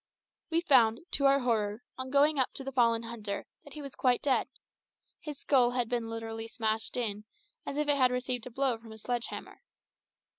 We found, to our horror, on going up to the fallen hunter, that he was quite dead. His skull had been literally smashed in, as if it had received a blow from a sledge hammer.